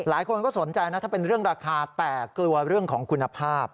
หลายคนก็สนใจนะถ้าเป็นเรื่องราคาแต่กลัวเรื่องของคุณภาพ